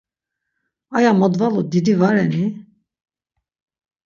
Aya modvalu didi va ren i?